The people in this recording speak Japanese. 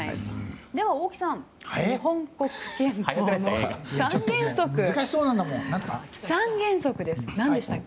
では、大木さん日本国憲法の三原則です。